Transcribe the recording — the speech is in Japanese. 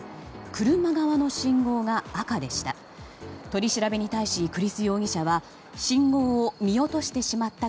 車側の信号が赤でした。